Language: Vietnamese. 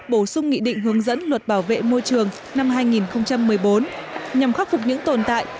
bổ sung nghị định hướng dẫn luật bảo vệ môi trường năm hai nghìn một mươi bốn nhằm khắc phục những tồn tại